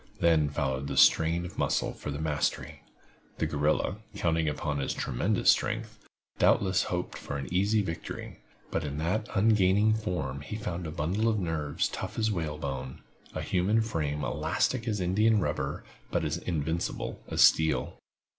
Then followed the strain of muscle for the mastery. The guerrilla, counting upon his tremendous strength, doubtless hoped for an easy victory; but in that ungainly form he found a bundle of nerves tough as whale bone—a human frame elastic as india rubber but as invincible as steel.